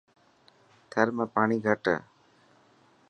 ٿر ۾ پاڻي گھٽ هي.